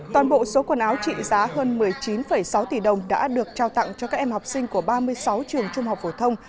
toàn bộ số quần áo trị giá hơn một mươi chín sáu tỷ đồng đã được trao tặng cho các em học sinh của ba mươi sáu trường trung học phổ thông